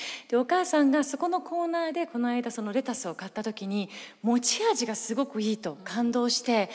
でお母さんがそこのコーナーでこの間レタスを買った時に持ち味がすごくいいと感動して。